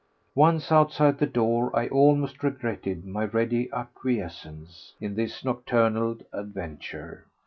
Once outside the door I almost regretted my ready acquiescence in this nocturnal adventure.